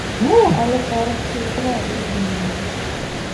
olib borib choʼzdiradi erinmay